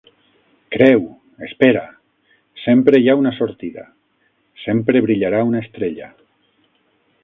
Creu! Espera! Sempre hi ha una sortida. Sempre brillarà una estrella.